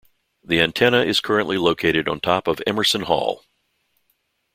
The antenna is currently located on top of Emerson Hall.